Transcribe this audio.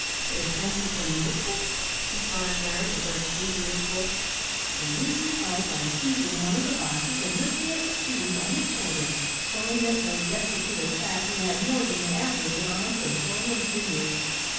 "D'ye think ye can lift it!" inquired Larry, with a dubious look. The youth replied by seizing one of the boxes, and lifting it with ease on his shoulder, shewing that, though destitute of fat, he had more than the average allowance of bone and sinew.